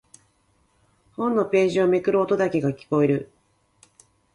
本のページをめくる音だけが聞こえる。